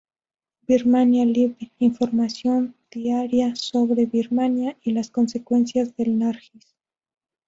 Birmania Libre: información diaria sobre Birmania y las consecuencias del Nargis.